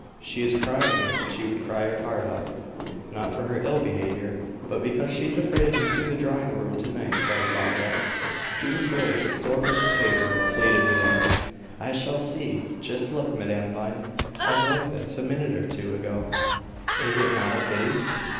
She is crying as if she would cry her heart out." "Not for her ill behavior, but because she's afraid of missing the drawing room to night," cried Barbara. "Do, pray, restore her to favor," pleaded madame. "I shall see. Just look, Madame Vine! I broke this, a minute or two ago. Is it not a pity?"